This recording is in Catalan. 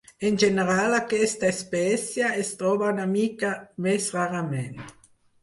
En general aquesta espècie es troba una mica més rarament.